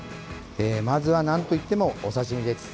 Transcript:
まずはなんといってもお刺身です。